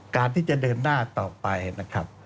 การที่จะเดินหน้าต่อไปนะครับ